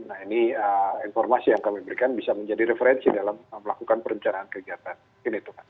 nah ini informasi yang kami berikan bisa menjadi referensi dalam melakukan perencanaan kegiatan